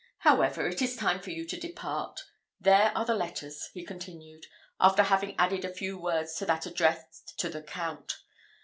However, it is time for you to depart. There are the letters," he continued, after having added a few words to that addressed to the Count.